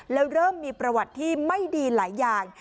แล้วเริ่มมีประวัติที่ไม่ดีหลายอย่าง